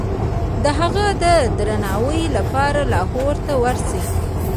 د هغه د درناوي لپاره لاهور ته ورسي.